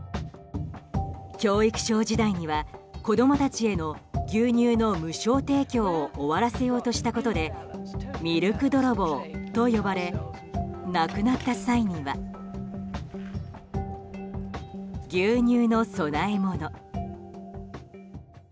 教育相時代には子供たちへの牛乳の無償提供を終わらせようとしたことでミルク泥棒と呼ばれ亡くなった際には牛乳の供え物。